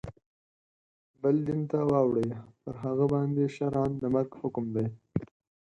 بل دین ته واوړي پر هغه باندي شرعاً د مرګ حکم دی.